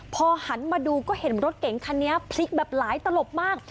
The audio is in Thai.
พอหันมาดูก็เห็นรถเก๋งคันนี้พลิกแบบหลายตลบมาก